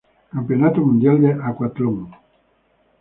Campeonato Mundial de Acuatlón